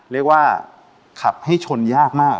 เรียกว่าขับให้ชนยากมาก